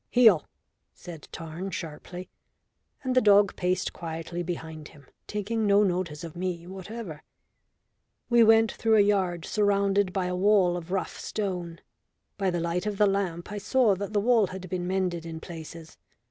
"Heel," said Tarn sharply, and the dog paced quietly behind him, taking no notice of me whatever. We went through a yard surrounded by a wall of rough stone. By the light of the lamp I saw that the wall had been mended in places.